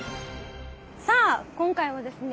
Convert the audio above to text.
さあ今回はですね